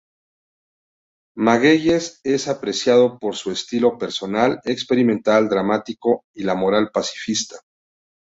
Magueyes es apreciado por su estilo personal, experimental, dramático y la moral pacifista.